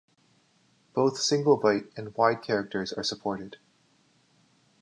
Both single-byte, and wide characters are supported.